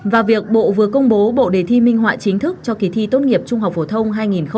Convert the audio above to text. và việc bộ vừa công bố bộ đề thi minh họa chính thức cho kỳ thi tốt nghiệp trung học phổ thông hai nghìn hai mươi